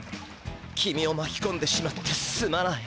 「君をまきこんでしまってすまない。